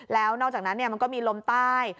แล้วนอกจากนั้นมันก็มีลมใต้